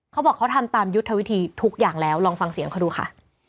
เขาบอกเขาทำตามยุทธวิธีทุกอย่างแล้วลองฟังเสียงเขาดูค่ะ